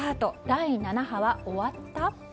第７波は終わった？